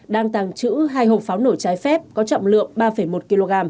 đang tàng trữ hai hộp pháo nổ trái phép có trọng lượng ba một kg